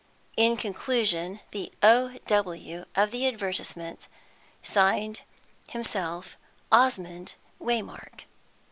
In conclusion, the "O. W." of the advertisement signed himself Osmond Waymark.